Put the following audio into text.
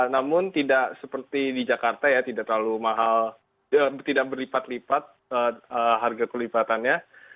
namun tidak seperti di jakarta ya tidak terlalu mahal tidak berlipat lipat harga kelipatannya